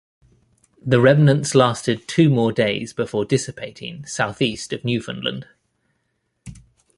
The remnants lasted two more days before dissipating southeast of Newfoundland.